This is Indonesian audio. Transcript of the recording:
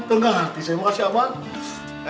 tengah hati saya mau kasih abah